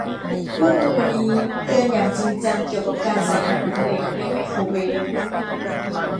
คู่มือนี้เตือนอย่างจริงจังเกี่ยวกับการใส่อาหารเหลวในไมโครเวฟ